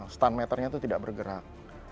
stand meternya itu tidak bergerak